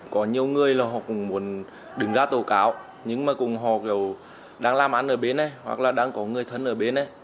có nhiều người là họ cũng muốn đứng ra tổ cáo nhưng mà cũng họ kiểu đang làm ăn ở bên này hoặc là đang có người thân ở bên này